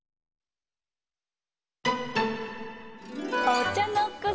お茶の子